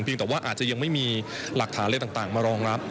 แต่ว่าอาจจะยังไม่มีหลักฐานอะไรต่างมารองรับ